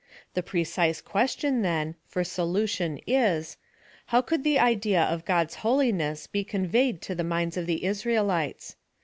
The precise question, then, for solution is. How could the idea of God's holiness be conveyed to the minds of the Israelites